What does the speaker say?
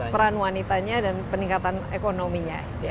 peran wanitanya dan peningkatan ekonominya